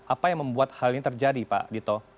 apa yang membuat hal ini terjadi pak dito